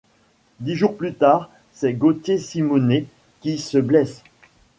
Dix jours plus tard, c'est Gautier Simounet qui se blesse.